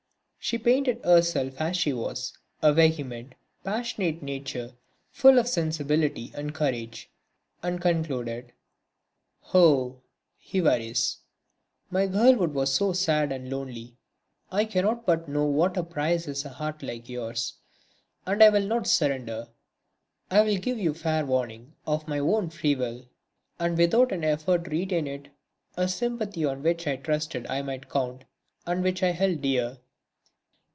She painted herself as she was, a vehement, passionate nature, full of sensibility and courage, and concluded: "Oh, Évariste, my girlhood was so sad and lonely I cannot but know what a prize is a heart like yours, and I will not surrender, I give you fair warning, of my own free will and without an effort to retain it, a sympathy on which I trusted I might count and which I held dear."